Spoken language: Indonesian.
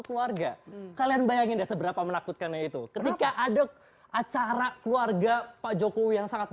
keluarga kalian bayangin seberapa menakutkannya itu ketika ada acara keluarga pak jokowi yang sangat